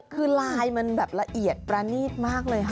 คือไลน์มันแบบละเอียดประณีตมากเลยค่ะ